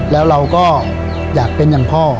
แล้วเราก็อยากเป็นอย่างพ่อ